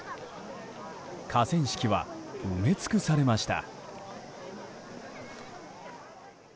河川敷は埋め尽くされました。